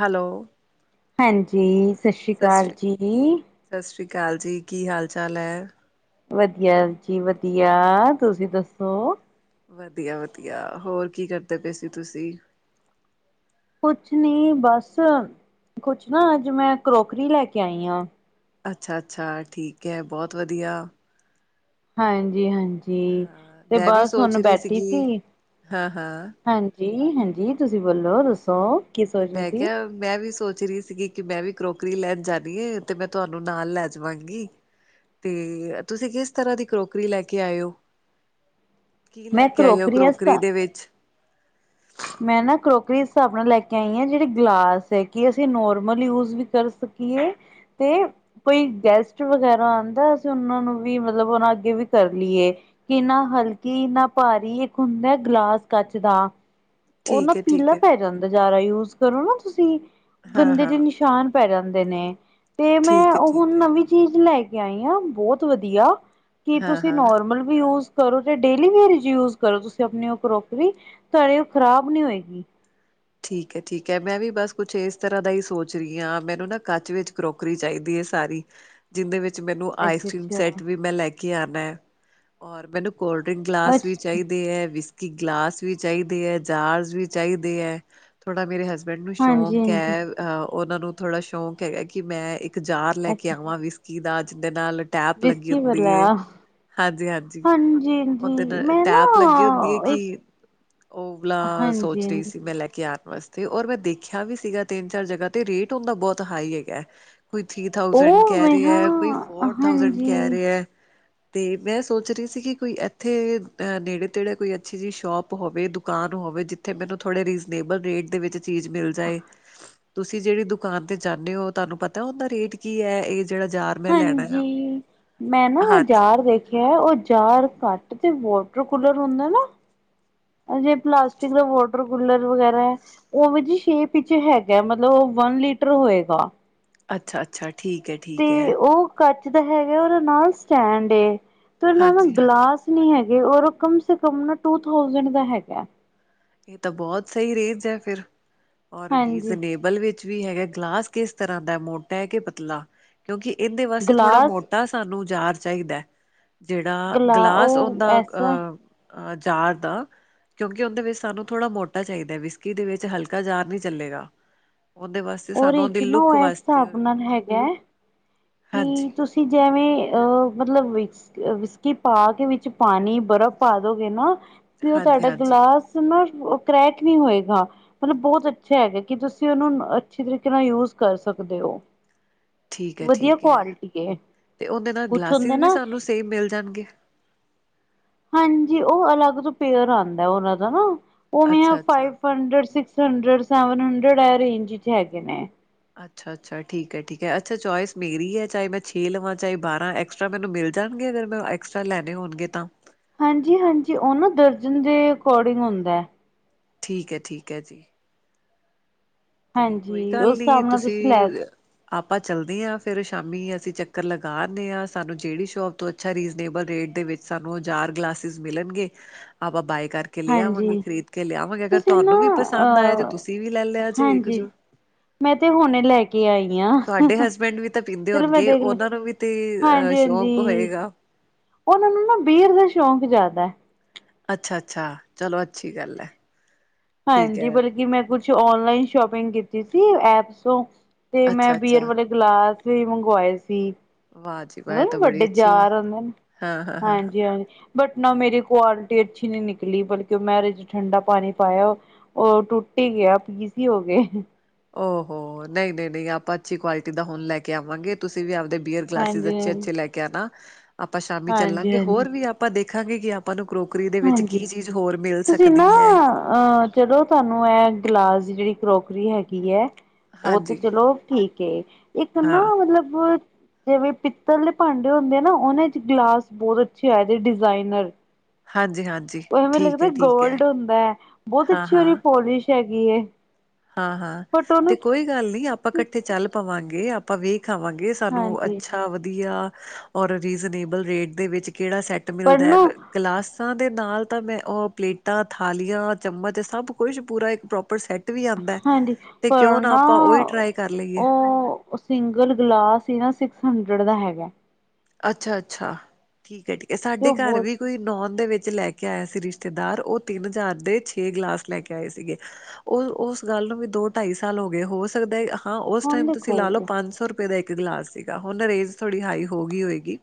Hello, ਹਾਂਜੀ। ਸਤਿ ਸ਼੍ਰੀ ਅਕਾਲ ਜੀ। ਸਤਿ ਸ਼੍ਰੀ ਅਕਾਲ ਜੀ ਕੀ ਹਾਲ- ਚਾਲ ਹੈ। ਵਧੀਆ ਜੀ ਵਧੀਆ। ਤੁਸੀ ਦੱਸੋ। ਵਧੀਆ- ਵਧੀਆ ਹੋਰ ਕੀ ਕਰਦੇ ਪਏ ਸੀ ਤੁਸੀ? ਕੁਛ ਨੀ ਬਸ, ਕੁਛ ਨਾ ਅਜ ਮੈ ਕਰੋਕਰੀ ਲੈ ਕੇ ਆਈ ਹਾਂ। ਅਛਾ- ਅਛਾ ਠੀਕ ਹੈ। ਬਹੁਤ ਵਧੀਆ। ਹਾਂਜੀ- ਹਾਂਜੀ ਤੇ ਮੈਂ ਵੀ ਬਸ ਸੋਚ ਹੁਣ ਰਹੀ ਬੈਠੀ ਸੀਗੀ ਸੀ। ਹਾਂ ਹਾਂ, ਹਾਂਜੀ- ਹਾਂਜੀ ਤੁਸੀ ਬੋਲੋ ਦੱਸੋ- ਕੀ ਸੋਚ ਰਹੇ ਡਹਿਕਿਆ ਸੀ? [unintelligible] ਮੈ ਵੀ ਸੋਚ ਰਹੀ ਸੀਗੀ ਕਿ ਮੈ ਵੀ ਕਰੋਕਰੀ ਲੈਣ ਜਾਣੀ ਹੈ। ਤੇ ਮੈ ਤੁਹਾਨੂੰ ਨਾਲ ਲੈ ਜਾਵਾਂਗੀ। ਤੇ ਤੁਸੀ ਕਿਸ ਤਰ੍ਹਾਂ ਦੀ ਕਰੋਕਰੀ ਲੈ ਕੇ ਆਏਓ- ਕੀ ਲੈ ਕੇ ਆਈ ਹੋ ਕਰੋਕਰੀ ਦੇ ਵਿਚ - ਮੈ ਨਾ ਕਰੋਕਰੀ ਹਿਸਾਬ ਨਾਲ ਲੈ ਕੇ ਆਈ ਹ ਜਿਹੜੀ ਗਲਾਸ ਹੈ। ਕਿ ਅਸੀ ਨੋਰਮਲ ਯੂਜ ਵੀ ਕਰ ਸਕੀਏ- [unintelligible] ਕੋਈ ਗੈਸਟ ਵਗੈਰਾ ਆਉਦਾ ਅਸੀ ਉਹਨਾ ਨੂੰ ਵੀ ਮਤਲਬ ਉਹ ਅੱਗੇ ਵੀ ਧਰਨੀ ਏ- ਕਿਨਾ ਹਲਕੀਨਾ ਭਾਰੀ ਇਕ ਹੁੰਦਾ ਗਲਾਸ ਕੱਚ ਦਾ- ਉਹ ਨਾ ਠੀਕ ਹੈ ਠੀਕ ਪੀਲਾ ਹੈ, ਪੈ ਜਾਦਾ ਜਦਾ ਯੂਜ ਕਰੋ ਨਾ ਤੁਸੀ ਹਾਂ ਗੰਦੇ ਜ ਹਾਂ, ਨਿਸ਼ਾਨ- ਪੈ ਜਾਦੇ ਨੇ ਤੇ ਮੈ ਠੀਕ ਹੈ ਉਹ ਹੁਣ ਠੀਕ ਹੈ, ਨਵੀ- ਚੀਜ਼ ਲੈ ਕੇ ਆਈ ਆ ਬਹੁਤ ਵਧੀਆ ਕੀ ਹਾਂ ਤੁਸੀ ਹਾਂ। ਨੋਰਮਲ ਵੀ ਯੂਜ- ਕਰੋ ਤੇ ਡੇਲੀ ਵੇਅਰ ਯੂਜ ਕਰੋ ਤੁਸੀ ਆਪਣੀ ਉਹ ਕਰੋਕਰੀ ਤੁਹਾਡੇ ਉਹ ਖਰਾਬ ਨਹੀ ਹੋਏਗੀ। ਠੀਕ ਹੈ। ਠੀਕ ਹੈ। ਮੈ ਵੀ ਬਸ ਕੁਛ ਇਸ ਤਰ੍ਹਾਂ ਦਾ ਹੀ ਸੋਚ ਰਹੀ ਹਾਂ ਮੈਨੂੰ ਨਾ ਕੱਚ ਵਿਚ ਕਰੋਕ- ਨੌਕਰੀ ਚਾਹੀਦੀ ਹੈ। ਸਾਰੀ- ਜਿਹਦੇ ਵਿਚ ਮੈਨੂੰ ਆਈਸ ਕਰ੍ਰੀਮ ਅੱਛਾ-ਅੱਛਾ, ਸੈਟ ਵੀ ਮੈ ਲੈ ਕੇ ਆਉਣਾ ਹ ਔਰ ਮੈਨੂੰ- ਕੋਲਡਰਿੰਕ ਗਲਾਸ ਵੀ ਅੱਛਾ-ਅੱਛਾ, ਚਾਹੀਦੇ ਹੈ। ਵਿਸਕੀ ਗਲਾਸ ਵੀ ਚਾਹੀਦੇ ਹੈ। ਜਾਰਜ਼ ਵੀ ਚਾਹੀਦੇ ਹੈ। ਥੋੜ੍ਹਾ ਮੇਰੇ ਹਸਬੈਂਡ ਨੂੰ ਸ਼ੌਕ ਹਾਂਜੀ-ਹਾਂਜੀ, ਹੈ। ਅ ਉਹਨਾ ਨੂੰ ਥੋੜ੍ਹਾ ਸ਼ੌਕ ਹੈਗਾ ਕਿ ਮੈ ਇਕ- ਇਕ ਜਾਰ ਲੈ ਕੇ ਅੱਛਾ ਆਵਾ ਵਿਸਕੀ ਦਾ ਜਿਦੇ ਨਾਲ ਟੈਪ ਲਗੀ ਵਿਸਕੀ ਹੁੰਦੀ ਵਾਲਾ ਹੈ। ਹਾਂਜੀ- ਹਾਂਜੀ ਹਾਂਜੀ-ਹਾਂਜੀ ਉਹਦ ਨਾਲ ਮੈਂ ਨਾ ਟੈਪ ਲਗੀ ਹੁੰਦੀ ਹੈ। ਇੱਕ ਕਿ- ਉਹਲਾ ਸੋਚ ਰਹੀ ਹਾਂਜੀ-ਹਾਂਜੀ ਸੀ ਮੈ ਲੈ ਕੇ- ਜਾਆਰ ਵਾਸਤੇ ਰ ਮੈ ਦੇਖਿਆ ਵੀ ਸੀਗਾ ਤਿੰਨ ਚਾਰ ਜਗ੍ਹਾ ਤੇ ਰੇਟ ਹੁੰਦਾ ਬਹੁਤ ਹਾਈ ਹੈਗਾ। ਕੋਈ ਥ੍ਰਰੀ ਥਾਜੈਂਡ ਉਹ ਕਹਿ ਮੈਂ ਰਿਹਾ ਹੈ। ਹਾਂ ਕੋਈ ਫੋਰ ਥਾਊਜੈਂਡ ਕਹਿ ਰਿਹਾ ਹਾਂਜੀ-ਹਾਂਜੀ ਹੈ। ਤੇ ਮੈ ਸੋਚ ਰਹੀ ਸੀ ਕਿ ਕੋਈ ਇਥੇ ਅ ਨੇੜੇ ਤੇੜੇ ਕੋਈ ਅੱਛੀ ਜਿਹੀ ਸ਼ੋਪ ਹੋਵੇ ਦੁਕਾਨ ਹੋਵੇ ਜਥ- ਉਥੇ ਮੈਨੂੰ ਥੋੜੇ ਰੀਜਨੇਬਲ ਰੇਟ ਦੇ ਵਿਚ ਚੀਜ ਮਿਲ ਜਾਏ। ਤੁਸੀ ਜਿਹੜੀ ਦੁਕਾਨ ਤੇ ਜਾਦੇ ਹੋ ਤੁਹਾਨੂੰ ਪਤਾ ਉਹਦਾ ਰੇਟ ਕੀ ਹੈ। ਇਹ ਜਾਰ ਯ- ਹਾਂਜੀ ਮੈ ਨਾ ਹਾਂਜੀ ਯਰ ਦੇਖ- ਆ ਉਹ ਜਾਰ ਘੱਟ ਤੇ ਵਾਟਰ ਕੂਲਰ ਹੁੰਦਾ ਨਾ- ਜੇ ਪਲਾਸਟਿਕ ਦਾ ਵਾਟਰ ਕੂਲਰ ਵਗੈਰਾ ਹੈ। ਉਹ ਜੀ ਛੇਪ ਵਿਚ ਹੈਗਾ ਮਤਲਬ ਉਹ ਵੰਨ ਲੀਟਰ ਹੋਏਗਾ। ਅਛਾ- ਅਛਾ ਠੀਕ ਹੈ। ਠੀਕ ਤੇ ਹੈ ਉਹ ਕੱਚਦਾ ਹੈਗਾ ਉਹਦੇ ਨਾਲ ਸਟੈਂਡ ਏ ਤੇ ਉਹਦੇ ਨਾਲ ਨਾ ਹਾਂਜੀ ਹਾਂਜੀ। ਗਲਾਸ- ਨਹੀ ਹੈਗੇ ਔਰ ਕਮ ਸੇ ਕਮ ਨਾ ਟੂ ਥਾਊਸੈਂਡ ਦਾ ਹੈਗਾ। ਇਹ ਤਾਂ ਬਹੁਤ ਸਹੀ ਰੇਜ ਹੈ ਫਿਰ ਔਰ ਹਾਂਜੀ ਰੀਜ਼ਨੇ- ਬਲ ਵਿਚ ਵੀ ਹੈਗਾ ਗਲਾਸ ਕਿਸ ਤਰ੍ਹਾਂ ਦਾ ਮੋਟਾ ਹੈ। ਕੇ ਪਤਲਾ- ਕਿਉਕਿ ਇਹਦੇ ਵਾਸਤੇ ਥੋੜਾ ਗਲਾਸ ਮੋਟਾ ਸਾਨੂੰ ਯਾਰ ਚਾਹੀਦਾ। ਜਿਹੜਾ ਗਲਾ ਗਲਾਸ ਉਹ ਉਹਦਾ ਐਸਾ ਅ ਜਾਰ ਦਾ ਕਿਉਕਿ ਉਹਦੇ ਵਿਚ- ਸਾਨੂੰ ਥੋੜ੍ਹਾ ਮੋਟਾ ਚਾਹੀਦਾ ਵਿਸਕੀ ਦੇ ਵਿਚ ਹਲਕਾ ਜਾਰ ਨੀ ਚਲੇਗਾ ਉਹਦੇ ਵਾਸਤੇ- ਤੇ ਸਾਨੂੰ ਉਹਦੇ ਉਹਦੀ ਚ ਨਾ ਲੁੱਕ ਉਹ ਇਸ ਵਾਸਤੇ- ਕੀ ਹਾਂਜੀ ਤੁਸੀ ਜਿਵੇ ਅਹ ਮਤਲਬ- ਵਿਸਕੀ ਪਾ ਕੇ ਵਿਚ ਪਾਣੀ ਬਰਫ਼ ਪਾ ਦੋਗੇ ਨਾ ਤੇ ਉਹ ਹਾਂਜੀ ਤੁਹਾਡਾ ਹਾਂਜੀ ਗਿਲਾਸ- ਕਰੈਕ ਨੀ ਹੋਏਗਾ। ਮਤਲਬ ਬਹੁਤ ਅਛਾ ਹੈਗਾ ਕਿ ਤੁਸੀ ਉਹਨੂੰ ਅਛੇ ਤਰੀਕੇ ਨਾਲ ਯੂਜ ਕਰ ਸਕਦੇ ਹੋ। ਠੀਕ ਐ। ਵਧੀਆ ਠੀਕ ਐ ਕੁਆਲਿਟੀ ਏ ਤੇ ਉਹਦੇ ਨਾਲ ਕੁਛ ਗਲਾਸਿਸ ਹੁੰਦੇ ਵੀ ਨਾ ਸਾਨੂੰ ਸਹੀ ਮਿਲ ਜਾਣਗੇ। ਹਾਂਜੀ ਉਹ ਅਲਗ ਤੋ ਪੇਅਰ ਆਉਦਾ ਉਹਨਾ ਦਾ ਨਾ ਉਹ ਐਵੇਂ ਆ ਅੱਛਾ ਅੱਛਾ five hundred, six hundred seven hundred ਆ ਰੇਂਜ ਵਿੱਚ ਹੈਗੇ ਨੇ। ਅੱਛਾ-ਅੱਛਾ, ਠੀਕ ਐ। ਠੀਕ ਐ। ਅੱਛਾ ਚੋਇਸ ਮੇਰੀ ਹੈ ਚਾਹੇ ਮੈਂ ਛੇ ਲਵਾਂ ਚਾਹੇ ਬਾਰਾਂ ਐਕਸਟਰਾ ਮੈਨੂੰ ਮਿਲ ਜਾਣਗੇ, ਅਗਰ ਮੈਂ ਐਕਸਟਰਾ ਲੈਣੇ ਹੋਣਗੇ ਤਾਂ ਹਾਂਜੀ- ਹਾਂਜੀ। ਉਹ ਨਾ ਦਰਜਨ ਦੇ ਅਕੋਰਡਿੰਗ ਹੁੰਦਾ ਹੈ। ਠੀਕ ਹੈ। ਠੀਕ ਹੈ ਜੀ। ਤੇ ਕੋਈ ਹਾਂਜੀ ਗੱਲ ਉਸ ਨੀ ਹਿਸਾਬ ਨਾਲ ਤੁਸੀਂ ਲੈ ਆਪਾਂ ਚੱਲਦੇ ਹਾਂ ਫੇਰ ਸ਼ਾਮੀ। ਅਸੀਂ ਚੱਕਰ ਲਗਾ ਆਨੇ ਆਂ। ਸਾਨੂੰ ਜਿਹੜੀ ਸ਼ੋਪ ਤੋਂ ਅੱਛਾ ਰੀਜਨੇਬਲ ਰੇਟ ਦੇ ਵਿੱਚ ਸਾਨੂੰ ਹਜ਼ਾਰ ਗਲਾਸਿਸ ਮਿਲਣਗੇ, ਆਪਾਂ ਬਾਏ ਕਰਕੇ ਕੇ ਹਾਂਜੀ ਲਿਆਵਾਂਗੇ, ਖਰੀਦ ਕੇ ਲਿਆਵਾਂਗੇ। ਅਗਰ ਤੁਸੀਂ ਨਾ ਤੁਹਾਨੂੰ ਵੀ ਪਸੰਦ ਆਇਆ ਤੇ ਅਹ ਤੁਸੀਂ ਵੀ ਲੈ ਲਿਆ ਜੇ ਹਾਂਜੀ ਜੋ ਮੈਂ ਤੇ ਹੁਣੇ ਲੈ ਕੇ ਕੇ ਆਈ ਆ। ਤੁਹਾਡੇ ਹਸਬੈਂਡ ਵੀ ਤਾਂ ਪੀਂਦੇ ਚਲੋ ਮੈਂ ਹੋਣਗੇ ਦੇਖ ਲੂ। ਉਹਨਾਂ ਨੂੰ ਵੀ ਤੇ ਅ ਹਾਂਜੀ- ਸ਼ੌਕ ਹਾਂਜੀ। ਹੋਏਗਾ ਉਹਨਾਂ ਨੂੰ ਨਾ ਬੀਅਰ ਦਾ ਸ਼ੌਕ ਜ਼ਿਆਦਾ। ਅੱਛਾ- ਅੱਛਾ। ਚਲੋ ਅੱਛੀ ਗੱਲ ਹੈ। ਠੀਕ ਹਾਂਜੀ ਬਲਕਿ ਮੈਂ ਕੁਛ ਓਨਲਾਈਨ ਸ਼ੋਪਿੰਗ ਕੀਤੀ ਸੀ ਐਪਸ ਤੋਂ ਤੇ ਮੈਂ ਬੀਅਰ ਵਾਲੇ ਗਲਾਸ ਵੀ ਮੰਗਵਾਏ ਸੀ। ਮਤਲ ਵੱਡੇ ਯਾਰ ਆਦੇ ਨੇ। ਹਾਂ ਹਾਂ ਹਾਂ ਹਾਂ। ਹਾਂਜੀ- ਹਾਂਜੀ। ਬਟ ਨਾ ਮੇਰੀ ਕੁਆਲਿਟੀ ਅੱਛੀ ਨੀ ਨਿਕਲੀ। ਬਲਕਿ ਉਹ ਮੈਂ ਇਹਦੇ ਚ ਠੰਡਾ ਪਾਣੀ ਪਾਇਆ ਉਹ ਟੁੱਟ ਹੀ ਗਿਆ। ਪੀਸੀ ਹੋ ਗਏ। ਓਹੋ। ਨਹੀਂ-ਨਹੀਂ -ਨਹੀਂ। ਆਪਾਂ ਅੱਛੀ ਕੁਆਲਿਟੀ ਦਾ ਹੁਣ ਲੈ ਕੇ ਆਵਾਂਗੇ। ਤੁਸੀਂ ਵੀ ਆਪਦੇ ਬੀਅਰ ਗਲਾਸਿਸ ਹਾਂਜੀ ਹਾਂਜੀ ਅੱਛੇ-ਅੱਛੇ ਲੈ ਕੇ ਆਣਾ। ਆਪਾਂ ਸ਼ਾਮੀ ਹਾਂਜੀ ਚੱਲਾਂਗੇ ਹੋਰ ਹਾਂਜੀ ਵੀ ਆਪਾਂ ਦੇਖਾਂਗੇ ਕਿ ਆਪਾਂ ਨੂੰ ਕਰੋਕਰੀ ਦੇ ਵਿੱਚ ਹਾਂਜੀ ਕੀ ਚੀਜ਼ ਹੋਰ ਮਿਲ ਤੁਸੀਂ ਨਾ ਸਕਦੀ ਹੈ? ਅਹ ਚਲੋ ਤੁਹਾਨੂੰ ਇਹ ਗਲਾਸ ਦੀ ਜਿਹੜੀ ਕਰੋਕਰੀ ਹੈਗੀ ਹੈ ਉਹ ਤੇ ਹਾਂਜੀ ਚਲੋ ਠੀਕ ਹੈ। ਇੱਕ ਹਾਂ ਨਾ ਮਤਲਬ ਜਿਵੇਂ ਪਿੱਤਲ ਦੇ ਭਾਂਡੇ ਹੁੰਦੇ ਆ ਨਾ, ਉਹਨਾਂ ਚ ਗਲਾਸ ਬਹੁਤ ਅੱਛੇ ਆਏ ਨੇ ਡਿਜ਼ਾਇਨਰ। ਹਾਂਜੀ- ਹਾਂਜੀ। ਉਹ ਮੈਨੂੰ ਠੀਕ ਲੱਗਦਾ ਹੈ ਠੀਕ ਹੈ ਗੋਲਡ ਹੁੰਦਾ ਹੈ। ਬਹੁਤ ਹਾਂ ਅੱਛੀ ਹਾਂ ਉਹਦੀ ਪੋਲਿਸ਼ ਹੈਗੀ ਐਂ। ਹਾਂ-ਹਾਂ ਤੇ ਕੋਈ ਗੱਲ ਨੀ ਆਪਾਂ ਇਕੱਠੇ ਚੱਲ ਪਵਾਂਗੇ। ਆਪਾਂ ਵੇਖ ਵੇਖ ਆਵਾਂਗੇ। ਸਾਨੂੰ ਹਾਂਜੀ ਅੱਛਾ ਵਧੀਆ, ਔਰ ਰੀਜਨੇਬਲ ਰੇਟ ਦੇ ਵਿੱਚ ਕਿਹੜਾ ਸੈਟ ਪਰ ਮਿਲਦਾ ਐ। ਨਾ ਗਲਾਸਾਂ ਦੇ ਨਾਲ ਤਾਂ ਮੈਂ ਉਹ ਪਲੇਟਾਂ, ਥਾਲੀਆਂ, ਚਮਚ ਸਭ ਕੁਛ ਪੂਰਾ ਇੱਕ ਪ੍ਰੋਪਰ ਸੈੱਟ ਵੀ ਆਉਂਦਾ ਹੈ ਹਾਂਜੀ ਤੇ ਪਰ ਕਿਉਂ ਨਾ ਆਪਾਂ ਉਹੀ ਟਰਾਈ ਕਰ ਲਈਏ। ਉਹ ਸਿੰਗਲ ਗਲਾਸ ਹੀ ਨਾ ਸਿਕਸ ਹੰਡਰਡ ਦਾ ਹੈਗਾ। ਅੱਛਾ- ਅੱਛਾ ਠੀਕ ਹੈ। ਠੀਕ ਹੈ। ਤੇ ਸਾਡੇ ਉਹ ਘਰ ਬਹੁਤ ਵੀ ਕੋਈ ਨੋਨ ਦੇ ਵਿੱਚ ਲੈ ਕੇ ਆਇਆ ਸੀ ਰਿਸ਼ਤੇਦਾਰ। ਉਹ ਤਿੰਨ ਹਜ਼ਾਰ ਦੇ ਛੇ ਗਲਾਸ ਲੈ ਕੇ ਆਏ ਸੀਗੇ। ਉਹ ਉਸ ਗੱਲ ਨੂੰ ਵੀ ਦੋ- ਢਾਈ ਸਾਲ ਹੋ ਗਏ, ਹੋ ਸਕਦਾ ਹਾਂ ਉਸ ਹੁਣ ਟਾਈਮ ਤੁਸੀਂ ਲਾ ਲਓ ਦੇਖੋ ਪੰਜ ਸੌ ਰੁਪਏ ਦਾ ਇੱਕ ਗਲਾਸ ਸੀਗਾ। ਹੁਣ ਰੇਂਜ ਥੋੜ੍ਹੀ ਹਾਈ ਹੋ ਗਈ ਹੋਏਗੀ।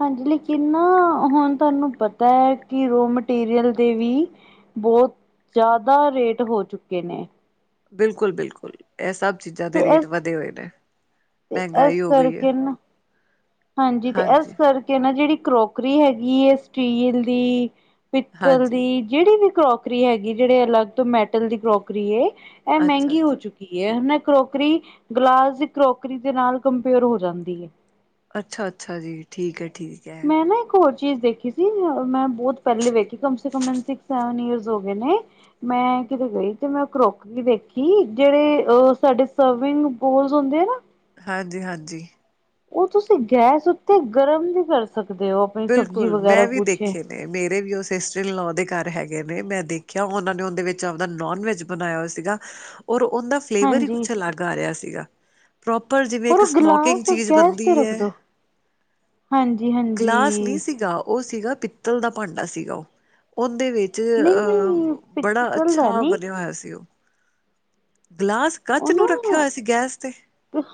ਹਾਂਜੀ ਲੇਕਿਨ ਨਾ ਹੁਣ ਤੁਹਾਨੂੰ ਪਤਾ ਹੈ ਕਿ ਰੋਅ ਮਟੀਰੀਅਲ ਦੇ ਵੀ ਬਹੁਤ ਜ਼ਿਆਦਾ ਰੇਟ ਹੋ ਚੁੱਕੇ ਨੇ। ਬਿਲਕੁਲ- ਬਿਲਕੁਲ। ‌ਇਹ ਸਭ ਚੀਜ਼ਾਂ ਦੇ ਤੇ ਰੇਟ ਇਸ ਵਧੇ ਹੋਏ ਨੇ। ਤੇ ਮਹਿੰਗਾਈ ਇਸ ਹੋ ਗਈ ਹੈ। ਕਰਕੇ ਨਾ ਹਾਂਜੀ ਤੇ ਇਸ ਕਰਕੇ ਨਾ ਜਿਹੜੀ ਕਰੋਕਰੀ ਹੈਗੀ ਹੈ ਸਟੀਲ ਦੀ ਪਿੱਤਲ ਹਾਂਜੀ-ਹਾਂਜੀ ਦੀ ਜਿਹੜੀ ਵੀ ਕਰੋਕਰੀ ਹੈਗੀ ਜਿਹੜੇ ਅਲੱਗ ਤੋਂ ਮੈਟਲ ਦੀ ਕਰੋਕਰੀ ਐ ਇਹ ਮਹਿੰਗੀ ਹੋ ਅੱਛਾ-ਅੱਛਾ। ਚੁੱਕੀ ਕੀ ਨਾ ਕਰੋਕਰੀ, ਗਲਾਸ ਦੀ ਕਰੋਕਰੀ ਦੇ ਨਾਲ ਕੰਪੇਅਰ ਹੋ ਜਾਂਦੀ ਹੈ। ਅੱਛਾ ਅੱਛਾ ਜੀ, ਠੀਕ ਹੈ ਠੀਕ ਹੈ। ਮੈਂ ਨਾ ਇੱਕ ਹੋਰ ਚੀਜ਼ ਦੇਖੀ ਸੀ, ਮੈਂ ਬਹੁਤ ਪਹਿਲੇ ਵੇਖੀ ਕਮ ਸੇ ਕਮ, ਸਵਨ ਈਅਰਸ ਹੋ ਗਏ ਨੇ। ਮੈਂ ਕਿਤੇ ਗਈ, ਤੇ ਮੈਂ ਕਰੋਕ ਵੀ ਦੇੇਖੀ, ਜਿਹੜੇ ਅ ਸਾਡੇ ਸਰਵਿੰਗ ਪੂਲ, ਹੁੰਦੇ ਆ ਨਾ ਹਾਂਜੀ, ਹਾਂਜੀ। ਉਹ ਤੁਸੀਂ ਗੈਸ ਉੱਤੇ ਗਰਮ ਵੀ ਕਰ ਸਕਦੇ ਹੋ, ਆਪਣੀ ਸਬਜ਼ੀ ਬਿਲਕੁਲ ਵਗੈਰਾ ਮੈਂ ਵੀ ਕੁਛ ਦੇਖੇ ਮੇਰੇ ਵੀ ਉਹ ਸਿਸਟਰ ਇਨਲੋ ਦੇ ਘਰ ਹੈਗੇ ਨੇ, ਮੈਂ ਦੇਖਿਆ ਉਹਨਾਂ ਨੇ ਉਹਦੇ ਵਿੱਚ, ਆਪਦਾ ਨੋਨ ਵੈਜ ਬਣਾਇਆ ਹੋਇਆ ਸੀਗਾ, ਔਰ ਉਹਦਾ ਫਲੇਵਰ ਹੀ, ਹਾਂਜੀ ਕੁਛ ਅਲੱਗ ਆ ਰਿਹਾ ਸੀਗਾ। ਪ੍ਰੋਪਰ ਜਿਵੇਂ ਔਰ ਇੱਕ, ਉਹ ਸਮੋਕਿੰਗ ਗਿਲਾਸ ਚੀਜ਼ ਗੈਸ ਬਣਦੀ ਤੇ ਰੱਖ ਹੈ। ਦੋ ਹਾਂਜੀ, ਹਾਂਜੀ। ਗਲਾਸ ਨਹੀਂ ਸੀਗਾ, ਉਹ ਸੀਗਾ ਪਿੱਤਲ ਦਾ ਭਾਂਡਾ ਸੀਗਾ ਉਹ, ਉਹਦੇ ਵਿੱਚ 'ਚ ਨਹੀਂ ਨਹੀਂ ਅਹ, ਬੜਾ ਪਿੱਤਲ ਦਾ ਅੱਛਾ ਨਹੀਂ ਬਣਿਆ ਹੋਇਆ ਸੀ ਉਹ ਗਿਲਾਸ ਕੱਚ, ਨੂੰ ਰੱਖਿਆ ਹੋਇਆ ਸੀ ਗੈਸ ਤੇ!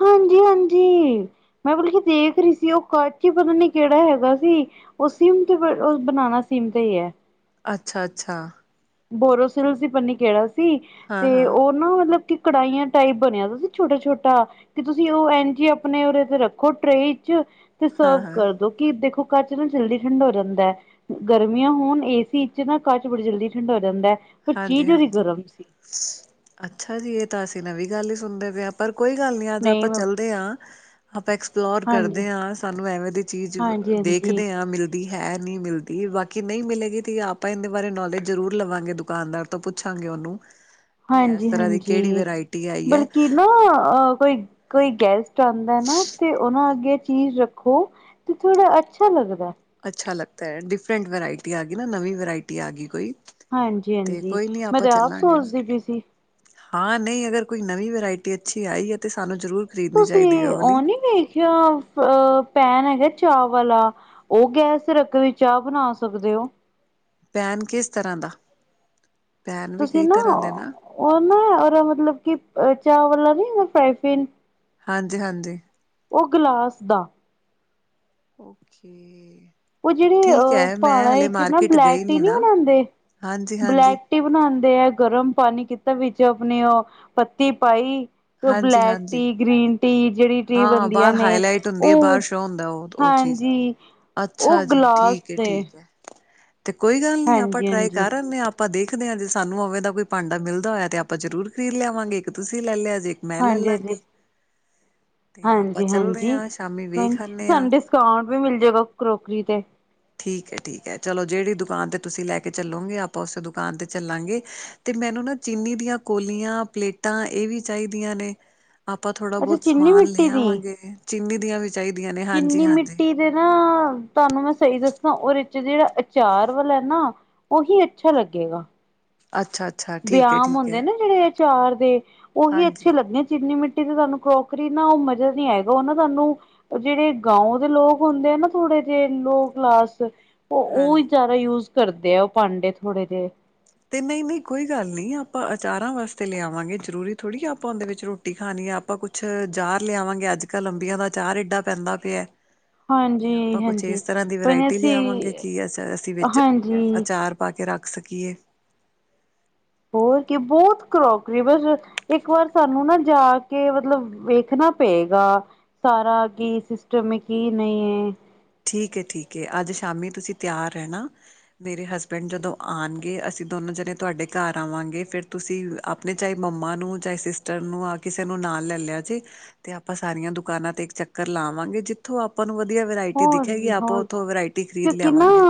ਹਾਂਜੀ, ਹਾਂਜੀ! ਮੈਂ ਬਤਲਬ ਕਿ ਦੇਖ ਰਹੀ ਸੀ, ਉਹ ਕਾਚੀ ਪਤਾ ਨ, ਕਿਹੜਾ ਹੈਗਾ ਸੀ। ਉਹ ਸੀਮ ਤੇ, ਬਨਣਾ ਸੀਮ ਤੇ ਹੀ ਹੈ। ਅੱਛਾ, ਅੱਛਾ। ਬੋਰੋਸਿਲੋਸੀ ਪੰਨੀ ਕਿੜਾ ਸੀ, ਹਾਂ ਤੇ ਹਾਂ ਉਹ ਨਾ ਮਤਲਬ ਕਿ, ਕੜਾਹੀਆਂ ਟਾਈਪ ਬਣਿਆ ਸੀ ਛੋਟਾ- ਛੋਟਾ ਕਿ ਤੁਸੀਂ ਉਹ ਐਨ 'ਜ ਆਪਣੇ ਉਦੇ ਤੇ ਰੱਖੋ ਟਰੇੇ 'ਚ, ਤੇ ਹਾਂ ਸਰਵ ਹਾਂ ਕਰੋ। ਕਿ ਦੇਖੋ ਕਚ ਨਾ ਜਲਦੀ ਠੰਡਾ ਹੋ ਜਾਂਦਾ, ਗਰਮੀਆਂ ਹੋਣ ਏ ਸੀ ਵਿਚ ਨਾ, ਕਚ ਬੜੀ ਜਲਦੀ ਠੰਡਾ ਹੋ ਜਾਂਦਾ ਹੈ। ਪਰ ਹਾਂਜੀ ਚੀਜ਼ ਉਹਦੀ ਹਾਂਜੀ, ਗਰਮ ਸੀ ਅੱਛਾ ਜੀ, ਇਹ ਤਾਂ ਅਸੀਂ ਨਵੀਂ ਗੱਲ ਹੀ ਸੁਣਦੇ ਪਏ ਆ। ਪਰ ਕੋਈ ਗੱਲ ਨੀ, ਅੱਜ ਨਹੀਂ ਆਪਾਂ ਮੈਂ ਚੱਲਦੇ ਹਾਂ। ਆਪਾਂ ਐਕਸਪਲੋਰ ਕਰਦੇ ਹਾਂ, ਸਾਨੂੰ ਐਵੇਂ ਦੀ ਚੀਜ਼, ਹਾਂਜੀ-ਹਾਂਜੀ-ਹਾਂਜੀ, ਦੇਖਦੇ ਹਾਂ ਮਿਲ ਹੈ ਨਹੀਂ ਮਿਲਦੀ ਬਾਕੀ ਨਹੀਂ ਮਿਲੇਗੀ, ਤੇ ਆਪਾਂ ਇਹਦੇ ਬਾਰੇ ਨੌਲੇਜ ਜ਼ਰੂਰ ਲਵਾਂਗੇ। ਦੁ ਦੁਕਾਨਦਾਰ ਤੋਂ, ਪੁੱਛਾਂਗੇ ਉਹਨੂੰ ਵੀ ਇਸ ਹਾਂਜੀ ਤਰ੍ਹਾਂ ਦੀ ਕਿਹੜੀ ਹਾਂਜੀ, ਵਰਾਇਟੀ ਆਈ ਹੈ ਬਲਕਿ ਨਾ ਅਹ ਕੋਈ ਕੋਈ ਗੈਸਟ ਆਉਂਦਾ ਨਾ, ਤੇ ਉਹਨਾ ਅੱਗੇ ਚੀਜ਼ ਰੱਖੋ, ਤੇ ਥੋੜਾ ਅੱਛਾ ਲੱਗਦਾ। ਅੱਛਾ ਲਗਦਾ ਹੈ, ਡਿਫਰੈਂਟ ਵਰਾਇਟੀ ਆ ਗਈ ਨਾ, ਨਵੀਂ ਵਰਾਇਟੀ ਆ ਗਈ ਕੋਈ ਹਾਂਜੀ ਤੇ ਹਾਂਜੀ, ਕੋਈ ਨਹੀਂ ਮੈਂ ਆਪਾਂ ਤੇ ਆਪ ਚੱਲਾਂਗੇ ਸੋਚਦੀ ਪਈ ਸੀ। ਹਾਂ ਨਹੀਂ, ਅਗਰ ਕੋਈ ਨਵੀਂ ਵਰਾਇਟੀ ਅੱਛੀ ਆਈ ਹੈ, ਤੇ ਸਾਨੂੰ ਜ਼ਰੂਰ ਖਰੀਦਣੀ ਚਾਹੀਦੀ ਹੈ ਤੁਸੀਂ ਉਹ ਵਾਲੀ ਨੀ ਵੇਖਿਆ, ਪੈਨ ਹੈਗਾ ਚਾ ਵਾਲਾ ਉਹ ਗੈਸ ਤੇ ਰੱਖ ਕੇ ਵੀ, ਚਾਹ ਬਣਾ ਸਕਦੇ ਹੋ। ਪੈਨ ਕਿਸ ਤਰ੍ਹਾਂ ਦਾ, ਪੈਨ ਵੀ ਤੁਸੀਂ ਕਈ ਨਾ ਤਰ੍ਹਾਂ ਦੇ ਨਾ? ਉਹ ਨਾ ਉਹਦਾ ਮਤਲਬ, ਕਿ ਚਾ ਵਾਲਾ ਨੀ ਫਰਾਈ ਪੀਨ ਹਾਂਜੀ, ਹਾਂਜੀ। ਉਹ ਗਿਲਾਸ ਦਾ ਓਕੇ। ਉਹ ਜਿਹੜੇ ਠੀਕ ਹੈ ਮੈਂ ਪਹਾੜਾਂ ਹਲੇ ਵਿੱਚ ਮਾਰਕੀਟ ਬਲੈਕ ਗਈ ਟੀ ਨੀ ਨਾ ਬਣਾਉਦੇ, ਹਾਂਜੀ-ਹਾਂਜੀ। ਬਲੈਕ ਰਟੀ ਬਣਾਉਂਦੇ ਆ, ਗਰਮ ਪਾਣੀ ਕਿਤਾ, ਵਿੱਚ ਆਪਣੀ ਉਹ ਪੱਤੀ ਪਾਈ ਤੇ ਉਹ ਬਲੈਕ ਹਾਂਜੀ-ਹਾਂਜੀ ਟੀ, ਗ੍ਰੀਨ ਟੀ, ਜਿਹੜੀ ਟੀ ਹਾਂ ਬਣਦੀਆਂ ਬਾਹਰ ਨੇ ਹਾਈਲਾਈਟ ਹੁੰਦੀ ਹੈ, ਉਹ ਬਾਹਰ ਸ਼ੋਅ ਹੁੰਦਾ ਉਹ, ਉਹ ਚੀਜ਼ ਹਾਂਜੀ ਉਹ ਅੱਛਾ ਜੀ, ਗਲਾਸ ਠੀਕ ਹੈ ਦੇ ਠੀਕ ਹੈ, ਤੇ ਕੋਈ ਗੱਲ ਨੀ ਆਪਾਂ ਹਾਂਜੀ ਟਰਾਈ ਹਾਂਜੀ ਕਰ ਆਉਂਦੇ ਹਾਂ। ਆਪਾਂ ਦੇਖਦੇ ਹਾਂ। ਜੇ ਸਾਨੂੰ ਉਵੇਂ ਦਾ ਕੋਈ ਭਾਂਡਾ ਮਿਲਦਾ ਹੋਇਆ ਤਾਂ ਆਪਾਂ ਜ਼ਰੂਰ ਖਰੀਦ ਲਿਆਵਾਂਗੇ ਇੱਕ ਤੁਸੀਂ ਲੈ ਲਿਆ ਜੇ। ਮੈਂ ਹਾਂਜੀ ਲੈ ਹਾਂਜੀ ਗੀ। ਹਾਂਜੀ ਚੱਲਦੇ ਹਾਂਜੀ ਹਾਂ ਸ਼ਾਮੀ ਕੋਈ ਨੀ ਵੇਖ ਆਨੇ ਹਾਂ। ਸਾਨੂੰ ਡਿਸ ਕਾਰਡ ਵੀ ਮਿਲ ਜਾਏਗਾ ਕਰੋਕਰੀ ਤੇ ਠੀਕ ਹੈ ਠੀਕ ਹੈ, ਚਲੋ ਜਿਹੜੀ ਦੁਕਾਨ ਤੇ ਤੁਸੀਂ ਲੈ ਕੇ ਚੱਲੋਗੇ ਆਪਾਂ ਉਸ ਦੁਕਾਨ ਤੇ ਚੱਲਾਂਗੇ। ਤੇ ਮੈਨੂੰ ਨਾ ਚੀਨੀ ਦੀਆਂ ਕੋਲੀਆਂ ਪਲੇਟਾਂ ਇਹ ਵੀ ਚਾਹੀਦੀਆਂ ਨੇ। ਆਪਾਂ ਥੋੜਾ ਅੱਛਾ ਬਹੁਤ ਚੀਨੀ ਸਮਾਨ ਲੈ ਮਿੱਟੀ ਦੀ ਆਵਾਂਗੇ ਚੀਨੀ ਦੀਆਂ ਵੀ ਚਾਹੀਦੀਆਂ ਨੇ ਹਾਂਜੀ ਹਾਂਜੀ। ਜੇ ਨਾ ਤੁਹਾਨੂੰ ਮੈਂ ਸਹੀ ਦੱਸਾਂ ਉਹ ਰਿਚ ਜਿਹੜਾ ਅਚਾਰ ਵਾਲਾ ਨਾ ਉਹੀ ਅੱਛਾ ਲੱਗੇਗਾ। ਅੱਛਾ। ਅੱਛਾ ਠੀਕ ਹੈ ਵਿਆਮ ਠੀਕ ਹੁੰਦੇ ਹੈ ਨੇ ਨਾ ਜਿਹੜੇ ਆਚਾਰ ਦੇ ਉਹੀ ਹਾਂਜੀ ਅੱਛੇ ਲੱਗੇਦੇ ਜਿੰਨੀ ਮਿੱ ਤੇ ਕਰੋਕਰੀ ਨਾ ਉਹ ਮਜ਼ਾ ਨੀ ਆਏਗਾ ਉਹ ਨਾ ਸਾਨੂੰ ਜਿਹੜੇ ਗਾਉ ਦੇ ਲੋਕ ਹੁੰਦੇ ਆ ਨਾ ਥੋੜੇ ਜਿਹੇ ਲੋਅ ਕਲਾਸ ਉਹ ਹਾਂਜੀ ਜਿਆਦਾ ਯੂਜ ਕਰਦੇ ਆ ਉਹ ਭਾਂਡੇ ਥੋੜੇ ਜਿਹੇ ਤੇ ਨਹੀਂ ਨਹੀਂ ਕੋਈ ਗੱਲ ਨਹੀਂ ਆਪਾਂ ਅਚਾਰਾਂ ਵਾਸਤੇ ਲਿਆਵਾਂਗੇ ਜ਼ਰੂਰੀ ਥੋੜੀ ਆ ਆਪਾਂ ਉਹਦੇ ਵਿੱਚ ਰੋ ਰੋਟੀ ਖਾਣੀ ਹੈ। ਆਪਾਂ ਕੁੱਛ ਜ਼ਰ ਲਿਆਵਾਂਗੇ ਅੱਜ ਕੱਲ ਅੰਬੀਆਂ ਦਾ ਅਚਾਰ ਏਡਾ ਪੈਂਦਾ ਪਿਆ। ਤੇ ਆਪਾਂ ਹਾਂਜੀ ਕੁਛ ਹਾਂਜੀ ਇਸ ਤਰ੍ਹਾਂ ਦੀ ਕੋਈ ਨਹੀਂ ਵਰਾਇਟੀ ਲਿਆਵਾਂਗੇ ਅਸੀਂ ਕਿ ਅਸੀਂ ਵਿੱਚ ਹਾਂਜੀ ਅਚਾਰ ਪਾ ਕੇ ਰੱਖ ਸਕੀਏ। ਹੋਰ ਕੀ ਬਹੁਤ ਕਰੋਕਰੀ ਬਸ ਇੱਕ ਵਾਰ ਸਾਨੂੰ ਨਾ ਜਾ ਕੇ ਮਤਲਬ ਵੇਖਣਾ ਪਏਗਾ। ਸਾਰਾ ਕੀ ਸਿਸਟਮ ਕਿ ਨਹੀਂ ਐ। ਠੀਕ ਐ ਠੀਕ ਐ। ਅੱਜ ਸ਼ਾਮੀ ਤੁਸੀਂ ਤਿਆਰ ਰਹਿਣਾ। ਮੇਰੇ ਹਸਬੈਂਡ ਜਦੋਂ ਆਣਗੇ ਅਸੀਂ ਦੋਨੋਂ ਜਣੇ ਤੁਹਾਡੇ ਘਰ ਆਵਾਂਗੇ ਫਿਰ ਤੁਸੀਂ ਆਪਣੇ ਚਾਏ ਮੰਮਾ ਨੂੰ ਚਾਏ ਸਿਸਟਰ ਨੂੰ ਆ ਕਿਸੇ ਨੂੰ ਨਾਲ ਲੈ ਲਿਆ ਜੇ ਤੇ ਆਪਾਂ ਸਾਰੀਆਂ ਦੁਕਾਨਾਂ ਤੇ ਇੱਕ ਚੱਕਰ ਲਾਵਾਂਗੇ ਜਿੱਥੋਂ ਆਪਾਂ ਨੂੰ ਵਧੀਆ ਵਰਾਇ ਹੋਰ ਕੀ ਹੋਰ ਕੀ ਕਿਉਂਕਿ ਨਾ ਲਿਆਵਾਂਗੇ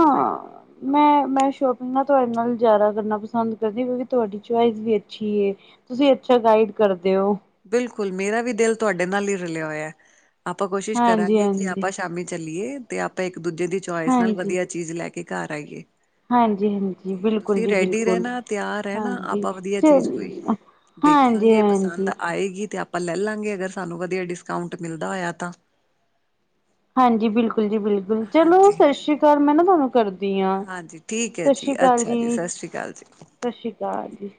ਮੈਂ ਮੈਂ ਸ਼ੋਪਿੰਗ ਨਾ ਤੁਹਾਡੇ ਨਾਲ ਜ਼ਿਆਦਾ ਕਰਨਾ ਪਸੰਦ ਕਰਦੀ ਕਿਉਂਕਿ ਤੁਹਾਡੀ ਚੁਇਸ ਵੀ ਅੱਛੀ ਏ ਤੁਸੀਂ ਅੱਛਾ ਗਾਈਡ ਕਰਦੇ ਹੋ। ਬਿਲਕੁਲ ਮੇਰਾ ਵੀ ਦਿਲ ਤੁਹਾਡੇ ਨਾਲ ਹੀ ਰਲਿਆ ਹੋਇਆ। ਆਪਾਂ ਕੋਸ਼ਿਸ਼ ਹਾਂਜੀ ਕਰਾਂਗੇ ਕਿ ਹਾਂਜੀ ਆਪਾਂ ਸ਼ਾਮੀ ਚੱਲੀਏ ਤੇ ਆਪਾਂ ਇੱਕ ਦੂਜੇ ਦੀ ਚੋਇਸ ਨਾਲ ਹਾਂਜੀ ਵਧੀਆ ਚੀਜ਼ ਲੈ ਕੇ ਘਰ ਆਈਏ। ਹਾਂਜੀ ਹਾਂਜੀ ਤੇ ਬਿਲਕੁਲ ਤੁਸੀਂ ਜੀ ਰੈਡੀ ਬਿਲਕੁਲ ਰਹਿਣਾ ਤਿਆਰ ਰਹਿਣਾ ਹਾਂਜੀ ਆਪਾਂ ਵਧੀਆ ਚੱਲ ਚੀਜ਼ ਕੋਈ ਨਾ ਹਾਂਜੀ ਦੇਖਾਂਗੇ ਪਸੰਦ ਹਾਂਜੀ। ਆਏਗੀ ਤੇ ਆਪਾਂ ਲੈ ਲਾਂਗੇ ਅਗਰ ਸਾਨੂੰ ਵਧੀਆ ਡਿਸਕਾਊਂਟ ਮਿਲਦਾ ਹੋਇਆ ਤਾਂ ਹਾਂਜੀ ਬਿਲਕੁਲ ਜੀ ਬਿਲਕੁਲ ਚਲੋ ਹਾਂਜੀ ਸਤਿ ਸ੍ਰੀ ਚਲੋ ਅਕਾਲ ਮੈਂ ਨਾ ਤੁਹਾਨੂੰ ਕਰਦੀ ਹਾਂ ਹਾਂਜੀ ਠੀਕ ਹੈ ਸਤਿ ਸ੍ਰੀ ਜੀ ਅਕਾਲ ਅੱਛਾ ਜੀ ਸਤਿ ਸ਼੍ਰੀ ਅਕਾਲ ਜੀ। ਸਤਿ ਸ੍ਰੀ ਅਕਾਲ ਜੀ।